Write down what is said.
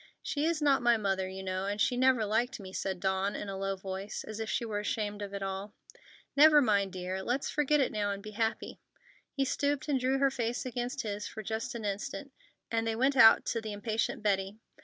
"She is not my mother, you know, and she never liked me," said Dawn, in a low voice, as if she were ashamed of it all. "Never mind, dear; let's forget it now, and be happy." He stooped and drew her face against his for just an instant, and then they went out to the impatient Betty.